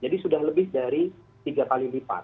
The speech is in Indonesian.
jadi sudah lebih dari tiga kali lipat